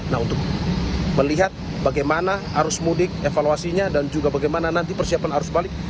nah untuk melihat bagaimana arus mudik evaluasinya dan juga bagaimana nanti persiapan arus balik